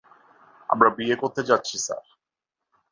আমরা বিয়ে করতে যাচ্ছি, স্যার।